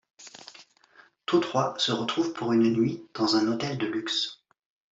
Tous trois se retrouvent pour une nuit dans un hôtel de luxe.